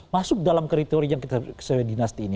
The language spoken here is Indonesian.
masuk dalam kriteria yang kita sebutkan dengan dinasti ini